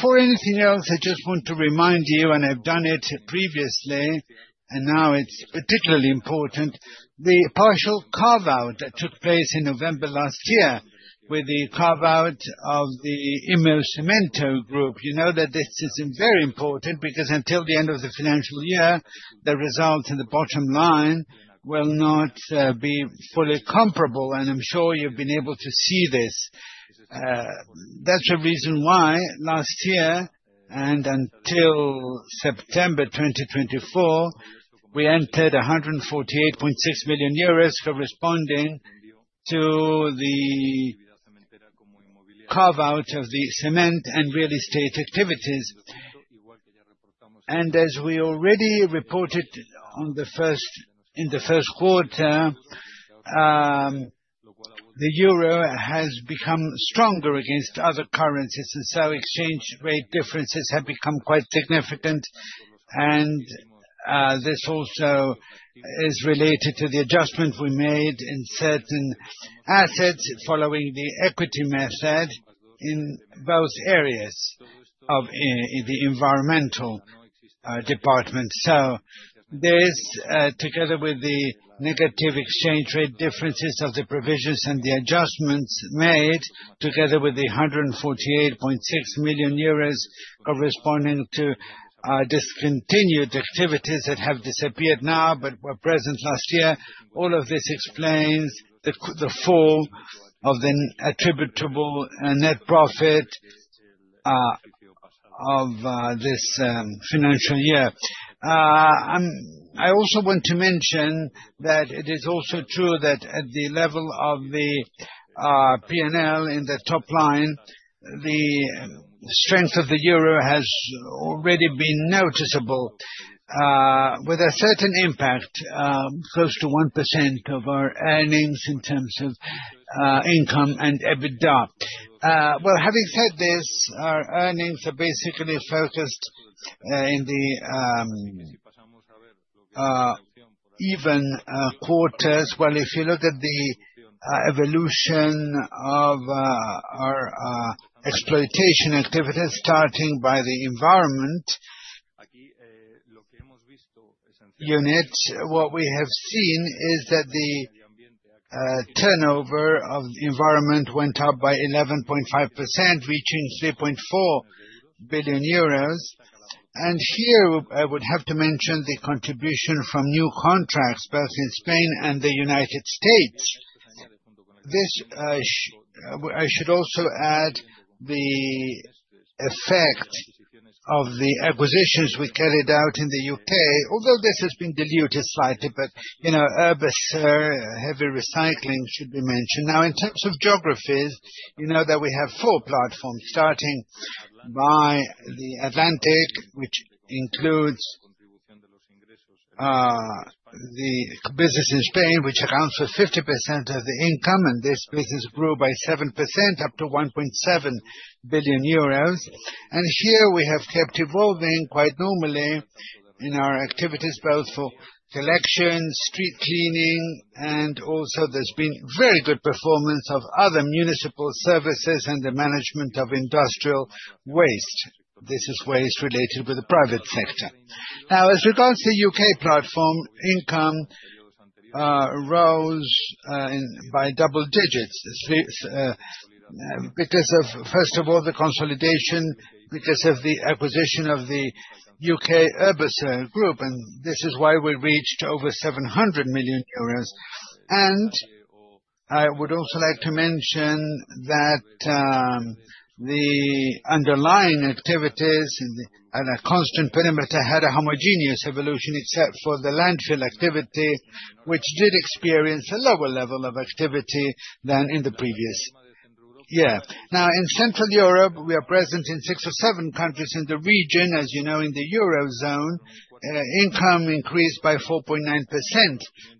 For instance, I just want to remind you, and I've done it previously, and now it's particularly important, the partial carve-out that took place in November last year with the carve-out of the Inmocemento Group. You know that this is very important because until the end of the financial year, the results in the bottom line will not be fully comparable, and I'm sure you've been able to see this. That's the reason why last year and until September 2024, we entered 148.6 million euros corresponding to the carve-out of the cement and real estate activities. As we already reported in the first quarter, the euro has become stronger against other currencies, so exchange rate differences have become quite significant. This also is related to the adjustment we made in certain assets following the equity method in both areas of the environmental department. This, together with the negative exchange rate differences of the provisions and the adjustments made, together with the 148.6 million euros corresponding to discontinued activities that have disappeared now but were present last year, all of this explains the fall of the attributable net profit of this financial year. I also want to mention that it is also true that at the level of the P&L in the top line, the strength of the euro has already been noticeable with a certain impact, close to 1% of our earnings in terms of income and EBITDA. Having said this, our earnings are basically focused in the even quarters. If you look at the evolution of our exploitation activities, starting by the environment units, what we have seen is that the turnover of the environment went up by 11.5%, reaching 3.4 billion euros. Here, I would have to mention the contribution from new contracts, both in Spain and the United States. I should also add the effect of the acquisitions we carried out in the U.K., although this has been diluted slightly, but Urbaser Heavy Recycling should be mentioned. Now, in terms of geographies, you know that we have four platforms, starting by the Atlantic, which includes the business in Spain, which accounts for 50% of the income, and this business grew by 7%, up to 1.7 billion euros. Here, we have kept evolving quite normally in our activities, both for collections, street cleaning, and also there has been very good performance of other municipal services and the management of industrial waste. This is waste related with the private sector. Now, as regards the U.K. platform, income rose by double digits because of, first of all, the consolidation, because of the acquisition of the U.K. Urbaser Group, and this is why we reached over 700 million euros. I would also like to mention that the underlying activities and a constant perimeter had a homogeneous evolution, except for the landfill activity, which did experience a lower level of activity than in the previous year. Now, in Central Europe, we are present in six or seven countries in the region. As you know, in the euro zone, income increased by 4.9%,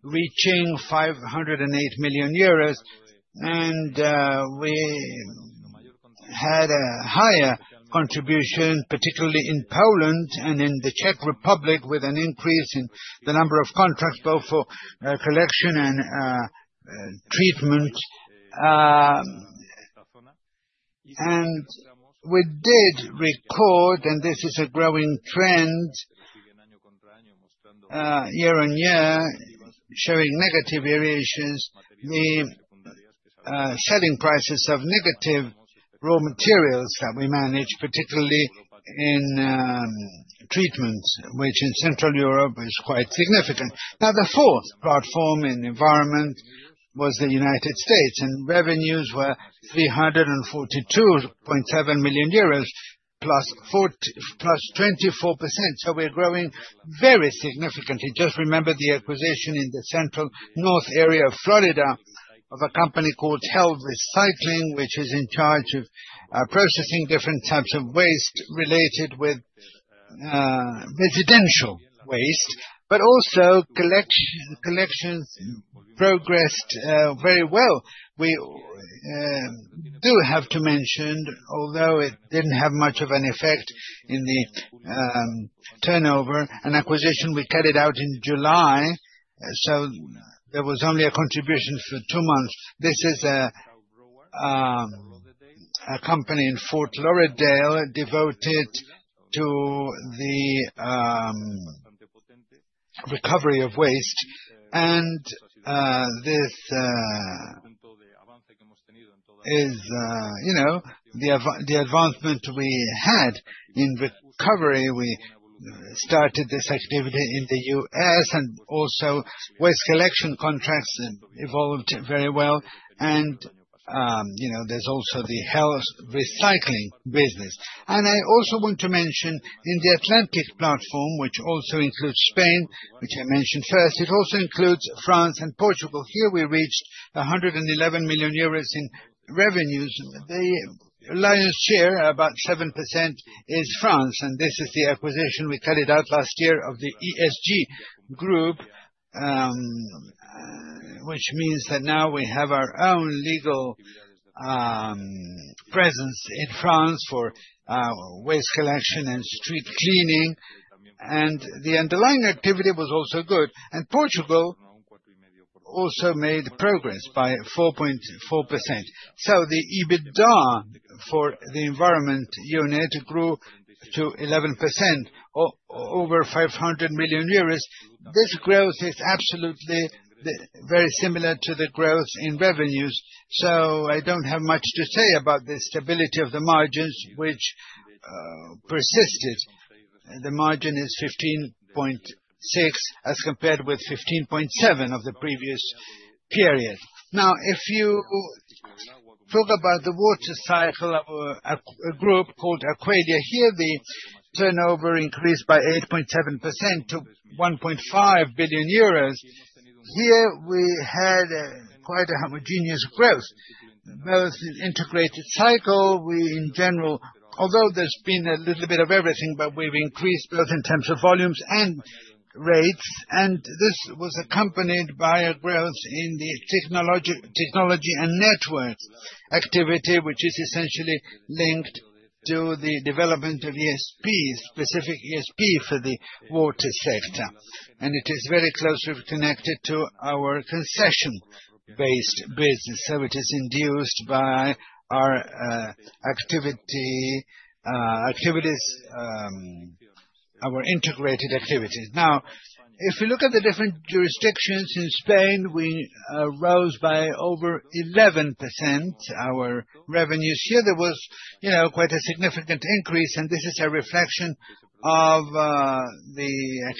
reaching 508 million euros, and we had a higher contribution, particularly in Poland and in the Czech Republic, with an increase in the number of contracts, both for collection and treatment. We did record, and this is a growing trend year on year, showing negative variations, the selling prices of negative raw materials that we manage, particularly in treatments, which in Central Europe is quite significant. The fourth platform in environment was the United States, and revenues were EUR 342.7 million, plus 24%. We are growing very significantly. Just remember the acquisition in the central north area of Florida of a company called Helv Recycling, which is in charge of processing different types of waste related with residential waste, but also collections progressed very well. We do have to mention, although it did not have much of an effect in the turnover, an acquisition we carried out in July, so there was only a contribution for two months. This is a company in Fort Lauderdale devoted to the recovery of waste, and this is the advancement we had in recovery. We started this activity in the U.S., and also waste collection contracts evolved very well, and there's also the Helv Recycling business. I also want to mention in the Atlantic platform, which also includes Spain, which I mentioned first, it also includes France and Portugal. Here, we reached 111 million euros in revenues. The lion's share, about 7%, is France, and this is the acquisition we carried out last year of the ESG Group, which means that now we have our own legal presence in France for waste collection and street cleaning, and the underlying activity was also good. Portugal also made progress by 4.4%. The EBITDA for the environment unit grew to 11%, over 500 million euros. This growth is absolutely very similar to the growth in revenues, so I don't have much to say about the stability of the margins, which persisted. The margin is 15.6% as compared with 15.7% of the previous period. Now, if you talk about the water cycle of a group called Aqualia, here the turnover increased by 8.7% to 1.5 billion euros. Here we had quite a homogeneous growth, both integrated cycle. We, in general, although there's been a little bit of everything, but we've increased both in terms of volumes and rates, and this was accompanied by a growth in the technology and network activity, which is essentially linked to the development of ESP, specific ESP for the water sector, and it is very closely connected to our concession-based business. It is induced by our integrated activities. Now, if you look at the different jurisdictions in Spain, we rose by over 11% our revenues. Here, there was quite a significant increase, and this is a reflection of the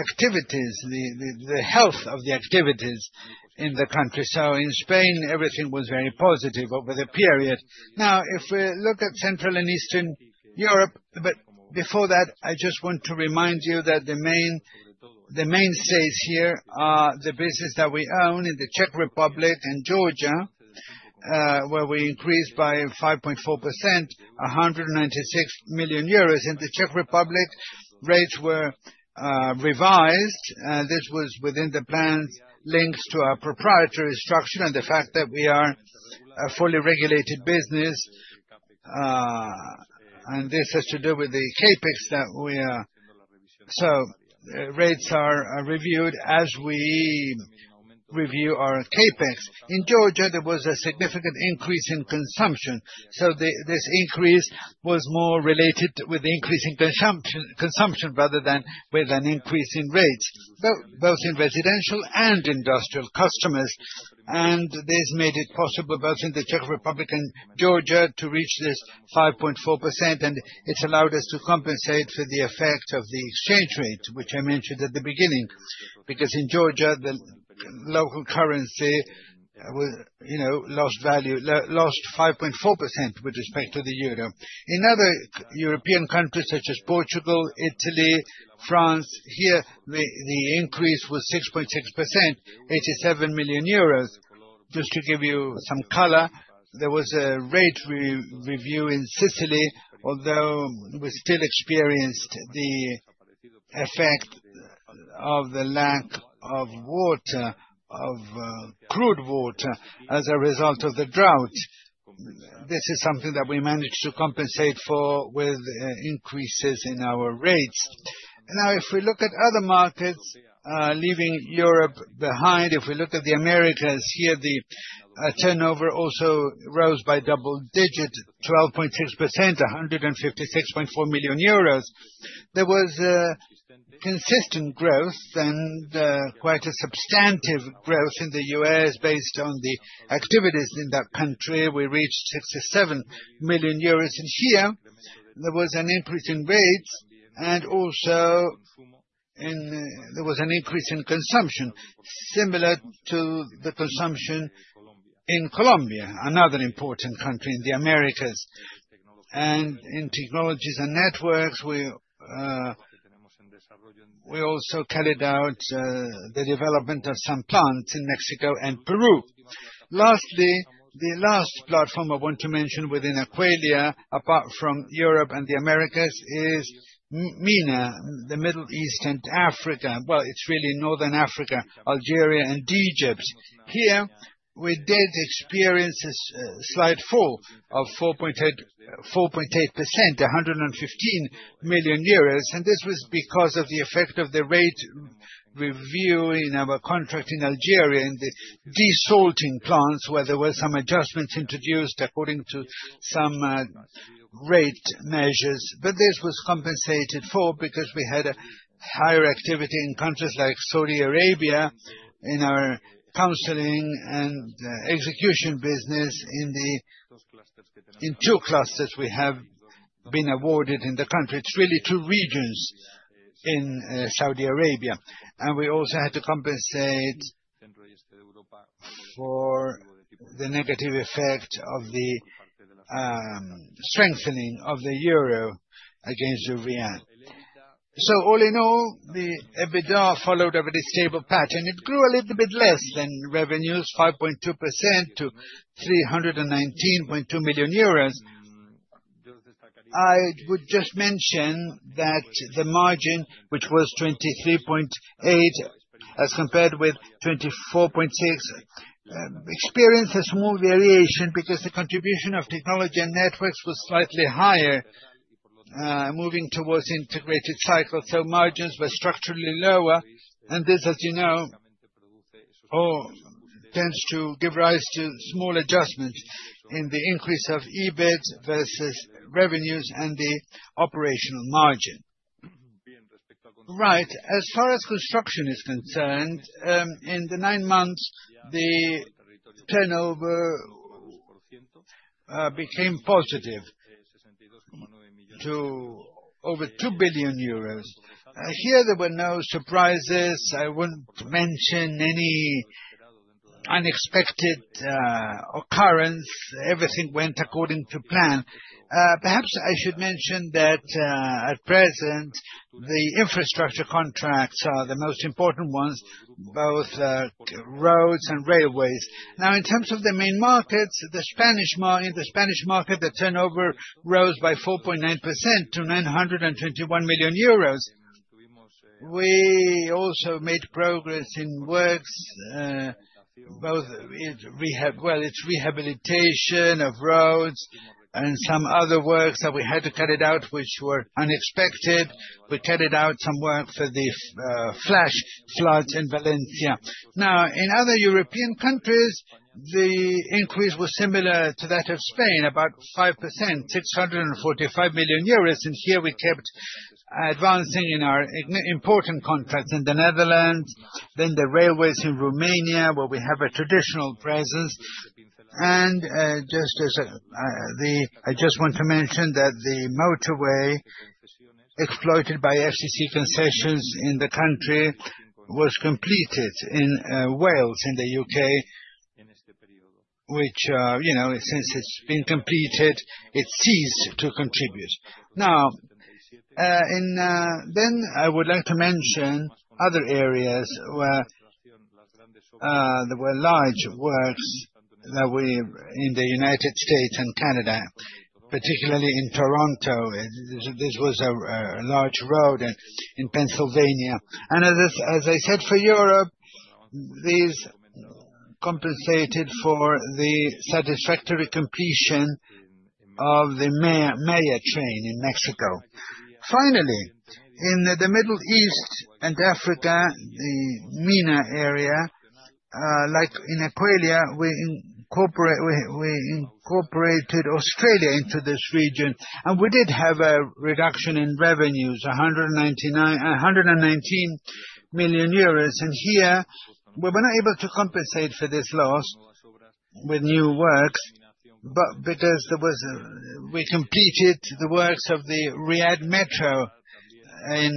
activities, the health of the activities in the country. In Spain, everything was very positive over the period. Now, if we look at Central and Eastern Europe, before that, I just want to remind you that the main stays here are the business that we own in the Czech Republic and Georgia, where we increased by 5.4%, 196 million euros. In the Czech Republic, rates were revised. This was within the plans linked to our proprietary structure and the fact that we are a fully regulated business, and this has to do with the CapEx that we are. Rates are reviewed as we review our CapEx. In Georgia, there was a significant increase in consumption, so this increase was more related with the increase in consumption rather than with an increase in rates, both in residential and industrial customers. This made it possible both in the Czech Republic and Georgia to reach this 5.4%, and it has allowed us to compensate for the effect of the exchange rate, which I mentioned at the beginning, because in Georgia, the local currency lost value, lost 5.4% with respect to the euro. In other European countries such as Portugal, Italy, France, here, the increase was 6.6%, 87 million euros. Just to give you some color, there was a rate review in Sicily, although we still experienced the effect of the lack of water, of crude water as a result of the drought. This is something that we managed to compensate for with increases in our rates. Now, if we look at other markets, leaving Europe behind, if we look at the Americas, here, the turnover also rose by double digit, 12.6%, 156.4 million euros. There was consistent growth and quite a substantive growth in the U.S. based on the activities in that country. We reached 67 million euros, and here, there was an increase in rates, and also there was an increase in consumption, similar to the consumption in Colombia, another important country in the Americas. In technologies and networks, we also carried out the development of some plants in Mexico and Peru. Lastly, the last platform I want to mention within Aqualia, apart from Europe and the Americas, is MENA, the Middle East and Africa. Actually, it is really Northern Africa, Algeria, and Egypt. Here, we did experience a slight fall of 4.8%, 115 million, and this was because of the effect of the rate review in our contract in Algeria, in the desalting plants, where there were some adjustments introduced according to some rate measures. This was compensated for because we had a higher activity in countries like Saudi Arabia in our counseling and execution business in two clusters we have been awarded in the country. It is really two regions in Saudi Arabia, and we also had to compensate for the negative effect of the strengthening of the euro against the real. All in all, the EBITDA followed a very stable pattern. It grew a little bit less than revenues, 5.2% to 319.2 million euros. I would just mention that the margin, which was 23.8% as compared with 24.6%, experienced a small variation because the contribution of technology and networks was slightly higher, moving towards integrated cycle, so margins were structurally lower. This, as you know, tends to give rise to small adjustments in the increase of EBIT versus revenues and the operational margin. Right. As far as construction is concerned, in the nine months, the turnover became positive to over 2 billion euros. Here, there were no surprises. I wouldn't mention any unexpected occurrence. Everything went according to plan. Perhaps I should mention that at present, the infrastructure contracts are the most important ones, both roads and railways. Now, in terms of the main markets, the Spanish market, the turnover rose by 4.9% to 921 million euros. We also made progress in works, both, well, it's rehabilitation of roads and some other works that we had to carry out, which were unexpected. We carried out some work for the flash floods in Valencia. Now, in other European countries, the increase was similar to that of Spain, about 5%, 645 million euros. Here, we kept advancing in our important contracts in the Netherlands, then the railways in Romania, where we have a traditional presence. Just as the, I just want to mention that the motorway exploited by FCC concessions in the country was completed in Wales, in the U.K., which, since it's been completed, it ceased to contribute. Now, I would like to mention other areas where there were large works in the United States and Canada, particularly in Toronto. This was a large road in Pennsylvania. As I said, for Europe, these compensated for the satisfactory completion of the Maya Train in Mexico. Finally, in the Middle East and Africa, the MENA area, like in Aqualia, we incorporated Australia into this region, and we did have a reduction in revenues, 119 million euros. Here, we were not able to compensate for this loss with new works because we completed the works of the Riyadh Metro in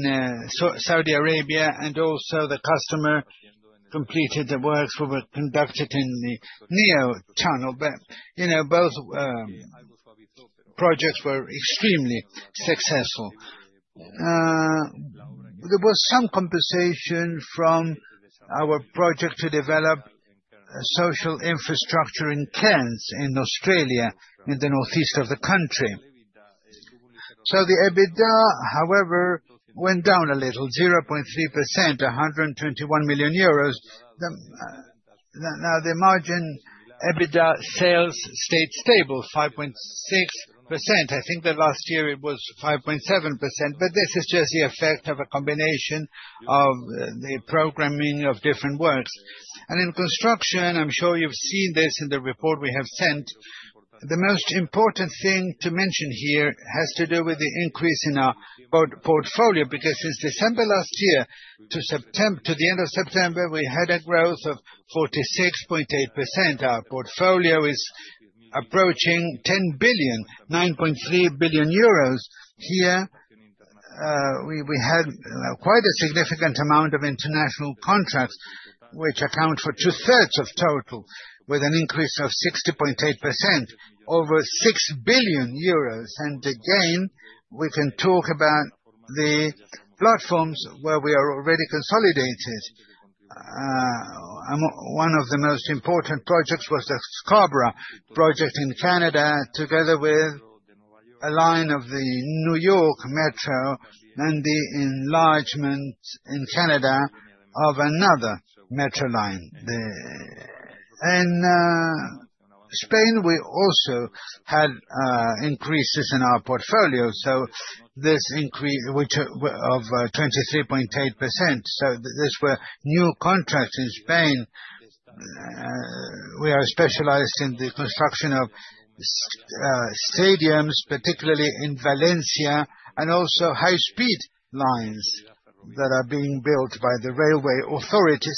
Saudi Arabia, and also the customer completed the works that were conducted in the Neo tunnel. Both projects were extremely successful. There was some compensation from our project to develop social infrastructure in Cairns, in Australia, in the northeast of the country. The EBITDA, however, went down a little, 0.3%, 121 million euros. The margin EBITDA sales stayed stable, 5.6%. I think that last year it was 5.7%, but this is just the effect of a combination of the programming of different works. In construction, I'm sure you've seen this in the report we have sent. The most important thing to mention here has to do with the increase in our portfolio because since December last year to the end of September, we had a growth of 46.8%. Our portfolio is approaching 10 billion, 9.3 billion euros. Here, we had quite a significant amount of international contracts, which account for two-thirds of total, with an increase of 60.8%, over 6 billion euros. We can talk about the platforms where we are already consolidated. One of the most important projects was the Scarborough project in Canada, together with a line of the New York Metro and the enlargement in Canada of another metro line. In Spain, we also had increases in our portfolio, which were of 23.8%. These were new contracts in Spain. We are specialized in the construction of stadiums, particularly in Valencia, and also high-speed lines that are being built by the railway authority.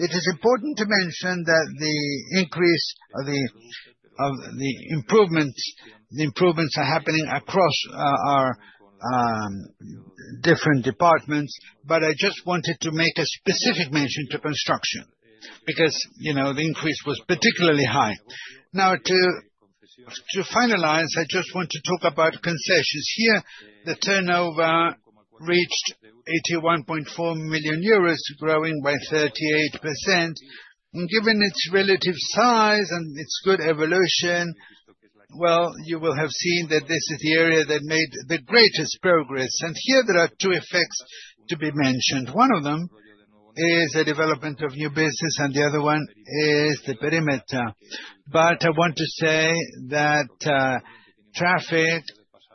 It is important to mention that the increase of the improvements are happening across our different departments, but I just wanted to make a specific mention to construction because the increase was particularly high. Now, to finalize, I just want to talk about concessions. Here, the turnover reached 81.4 million euros, growing by 38%. Given its relative size and its good evolution, you will have seen that this is the area that made the greatest progress. Here, there are two effects to be mentioned. One of them is the development of new business, and the other one is the perimeter. I want to say that traffic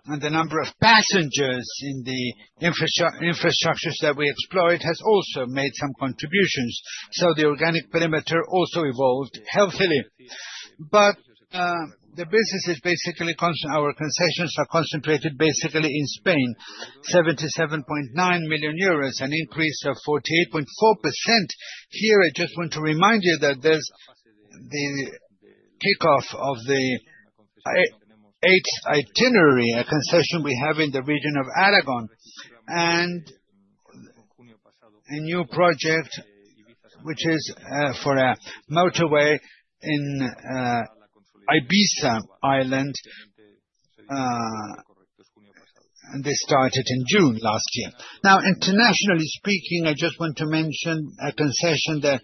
and the number of passengers in the infrastructures that we exploit has also made some contributions. The organic perimeter also evolved healthily. The business is basically our concessions are concentrated basically in Spain, 77.9 million euros, an increase of 48.4%. Here, I just want to remind you that there's the kickoff of the eighth itinerary, a concession we have in the region of Aragon, and a new project, which is for a motorway in Ibiza Island, and this started in June last year. Internationally speaking, I just want to mention a concession that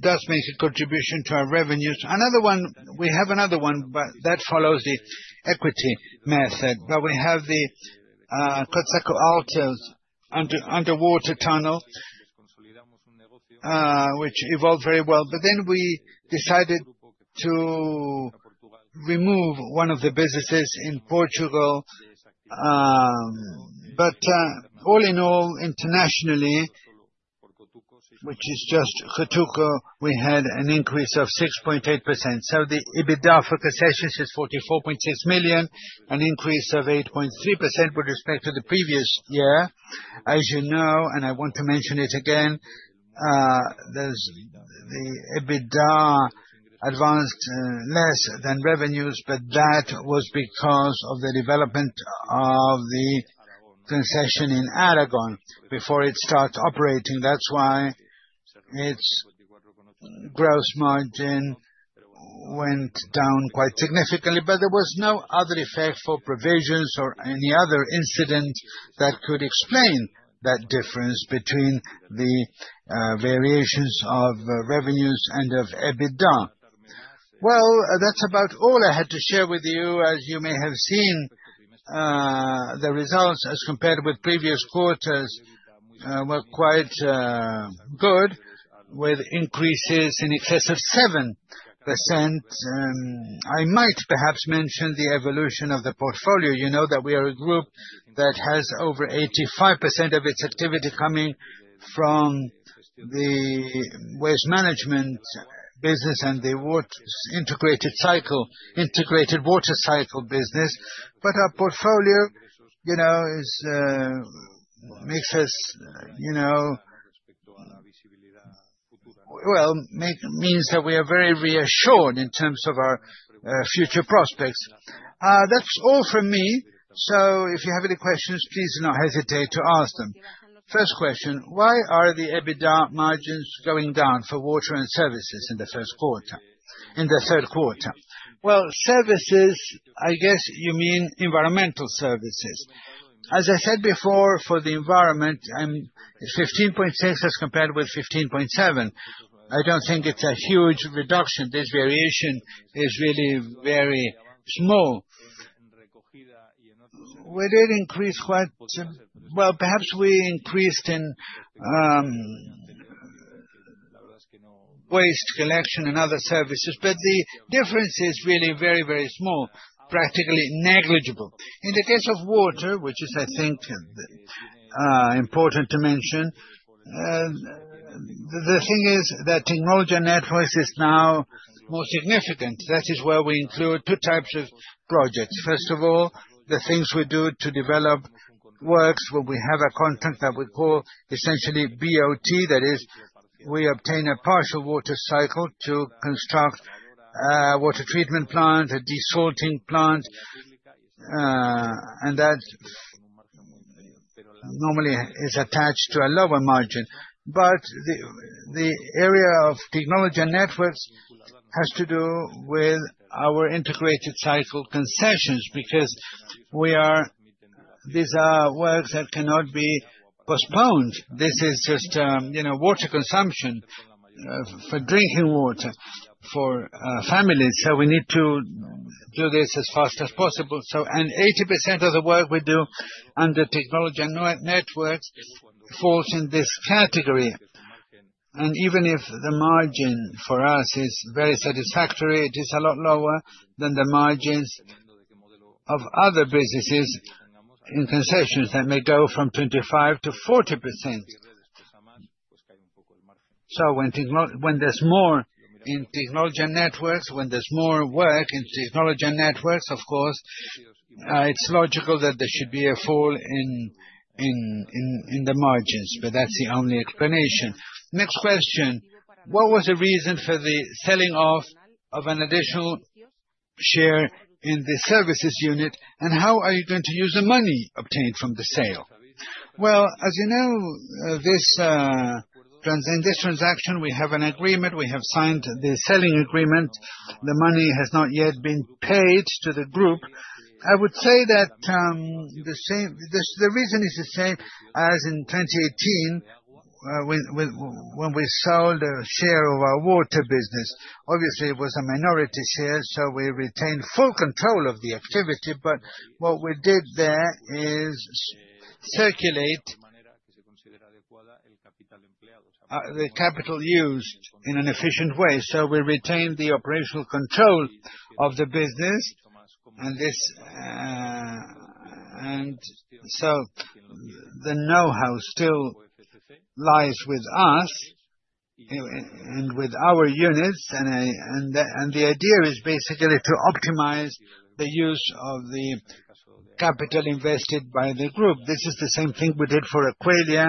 does make a contribution to our revenues. Another one, we have another one, but that follows the equity method. We have the Cotsaco-Alto underwater tunnel, which evolved very well. We decided to remove one of the businesses in Portugal. All in all, internationally, which is just Jutuco, we had an increase of 6.8%. The EBITDA for concessions is 44.6 million, an increase of 8.3% with respect to the previous year. As you know, and I want to mention it again, the EBITDA advanced less than revenues, but that was because of the development of the concession in Aragon before it started operating. That is why its gross margin went down quite significantly. There was no other effect for provisions or any other incident that could explain that difference between the variations of revenues and of EBITDA. That is about all I had to share with you. As you may have seen, the results as compared with previous quarters were quite good, with increases in excess of 7%. I might perhaps mention the evolution of the portfolio. You know that we are a group that has over 85% of its activity coming from the waste management business and the integrated water cycle business. But our portfolio makes us, well, means that we are very reassured in terms of our future prospects. That's all from me. If you have any questions, please do not hesitate to ask them. First question: Why are the EBITDA margins going down for water and services in the third quarter? Services, I guess you mean environmental services. As I said before, for the environment, 15.6% as compared with 15.7%. I don't think it's a huge reduction. This variation is really very small. We did increase quite. Perhaps we increased in waste collection and other services, but the difference is really very, very small, practically negligible. In the case of water, which is, I think, important to mention, the thing is that technology and networks is now more significant. That is where we include two types of projects. First of all, the things we do to develop works where we have a contract that we call essentially BOT, that is, we obtain a partial water cycle to construct a water treatment plant, a desalting plant, and that normally is attached to a lower margin. The area of technology and networks has to do with our integrated cycle concessions because these are works that cannot be postponed. This is just water consumption for drinking water for families. We need to do this as fast as possible. Eighty percent of the work we do under technology and networks falls in this category. Even if the margin for us is very satisfactory, it is a lot lower than the margins of other businesses in concessions that may go from 25% to 40%. When there's more in technology and networks, when there's more work in technology and networks, of course, it's logical that there should be a fall in the margins, but that's the only explanation. Next question: What was the reason for the selling off of an additional share in the services unit, and how are you going to use the money obtained from the sale? As you know, in this transaction, we have an agreement. We have signed the selling agreement. The money has not yet been paid to the group. I would say that the reason is the same as in 2018 when we sold a share of our water business. Obviously, it was a minority share, so we retained full control of the activity. What we did there is circulate the capital used in an efficient way. We retained the operational control of the business, and the know-how still lies with us and with our units. The idea is basically to optimize the use of the capital invested by the group. This is the same thing we did for Aqualia.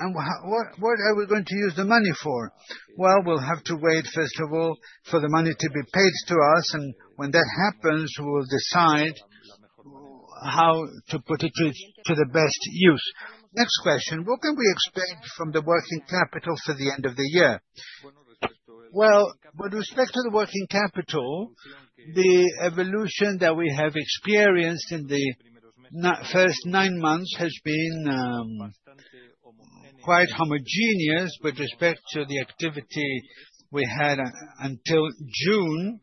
What are we going to use the money for? You have to wait, first of all, for the money to be paid to us. When that happens, we will decide how to put it to the best use. Next question: What can we expect from the working capital for the end of the year? With respect to the working capital, the evolution that we have experienced in the first nine months has been quite homogeneous with respect to the activity we had until June.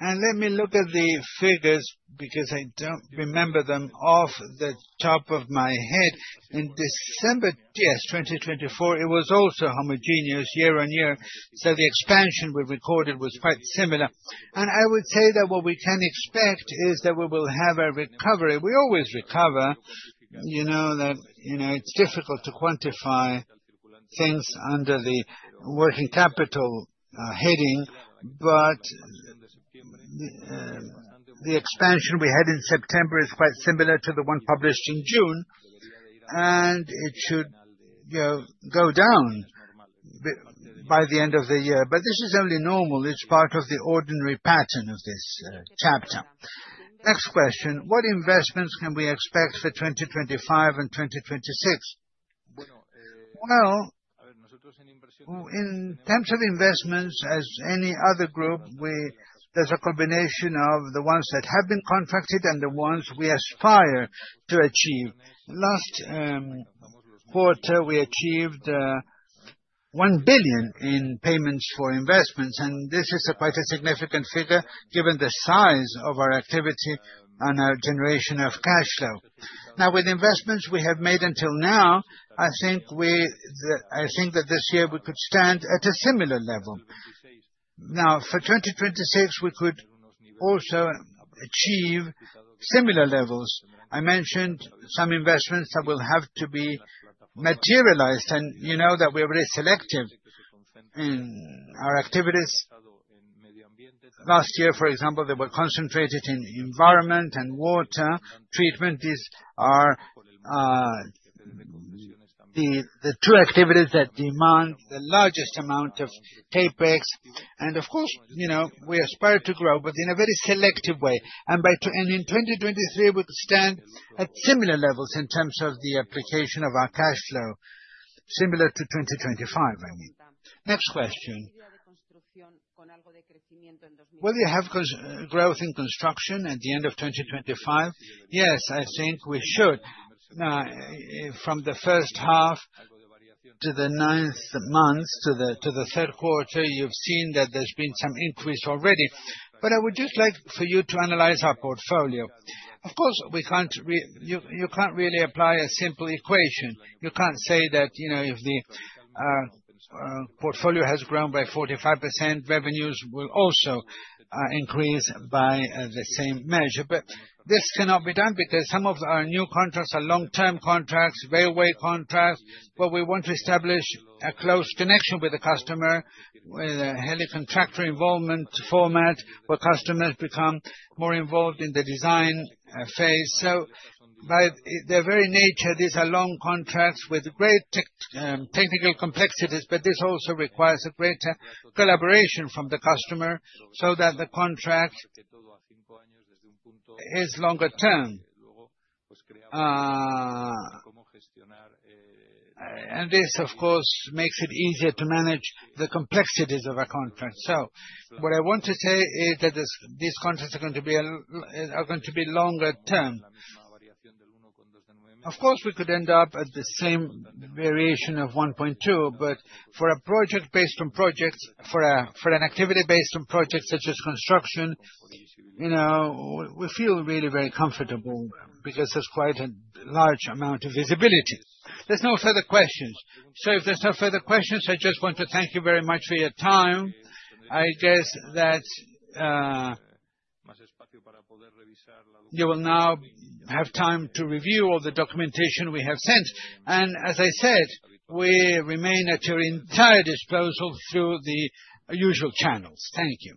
Let me look at the figures because I don't remember them off the top of my head. In December 2024, it was also homogeneous year on year. The expansion we recorded was quite similar. I would say that what we can expect is that we will have a recovery. We always recover. It's difficult to quantify things under the working capital heading, but the expansion we had in September is quite similar to the one published in June, and it should go down by the end of the year. This is only normal. It's part of the ordinary pattern of this chapter. Next question: What investments can we expect for 2025 and 2026? In terms of investments, as any other group, there's a combination of the ones that have been contracted and the ones we aspire to achieve. Last quarter, we achieved 1 billion in payments for investments. This is quite a significant figure given the size of our activity and our generation of cash flow. Now, with investments we have made until now, I think that this year we could stand at a similar level. For 2026, we could also achieve similar levels. I mentioned some investments that will have to be materialized, and you know that we are very selective in our activities. Last year, for example, they were concentrated in environment and water treatment. These are the two activities that demand the largest amount of CapEx. Of course, we aspire to grow, but in a very selective way. In 2023, we could stand at similar levels in terms of the application of our cash flow, similar to 2025, I mean. Next question: Will you have growth in construction at the end of 2025? Yes, I think we should. From the first half to the ninth month, to the third quarter, you've seen that there's been some increase already. I would just like for you to analyze our portfolio. Of course, you can't really apply a simple equation. You can't say that if the portfolio has grown by 45%, revenues will also increase by the same measure. This cannot be done because some of our new contracts are long-term contracts, railway contracts. We want to establish a close connection with the customer, with a heavy contractor involvement format where customers become more involved in the design phase. By their very nature, these are long contracts with great technical complexities, but this also requires a greater collaboration from the customer so that the contract is longer term. This, of course, makes it easier to manage the complexities of our contracts. What I want to say is that these contracts are going to be longer term. Of course, we could end up at the same variation of 1.2, but for an activity based on projects such as construction, we feel really very comfortable because there's quite a large amount of visibility. There's no further questions. If there's no further questions, I just want to thank you very much for your time. I guess that you will now have time to review all the documentation we have sent. As I said, we remain at your entire disposal through the usual channels. Thank you.